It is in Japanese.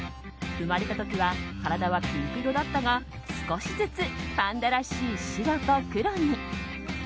生まれた時は体はピンク色だったが少しずつパンダらしい白と黒に。